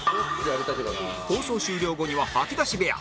放送終了後には吐き出し部屋